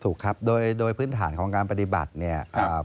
ถูกครับโดยโดยพื้นฐานของการปฏิบัติเนี่ย